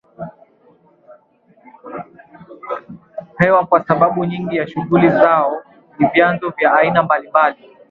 hewa kwa sababu nyingi ya shughuli zao ni vyanzo vya aina mbali mbali